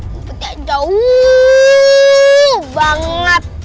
tidak jauh banget